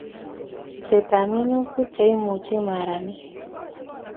Kolset ab minutik Che imuchi maranet